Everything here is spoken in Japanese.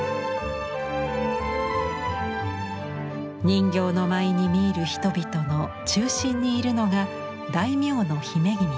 人形の舞に見入る人々の中心にいるのが大名の姫君です。